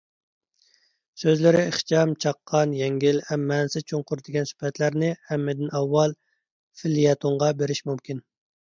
سۆزلىرى ئىخچام، چاققان، يەڭگىل ھەم مەنىسى چوڭقۇر دېگەن سۈپەتلەرنى ھەممىدىن ئاۋۋال فېليەتونغا بېرىش مۇمكىن.